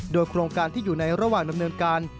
โดยโครงการที่อยู่ในระหว่างดำเนินการ